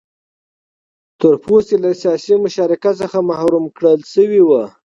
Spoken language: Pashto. تور پوستي له سیاسي مشارکت څخه محروم کړل شوي وو.